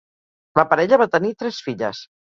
La parella va tenir tres filles.